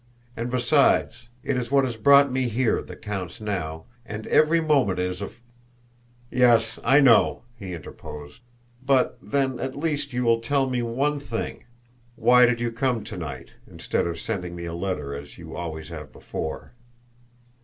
And, besides, it is what has brought me here that counts now, and every moment is of " "Yes. I know," he interposed; "but, then, at least you will tell me one thing: Why did you come to night, instead of sending me a letter as you always have before?"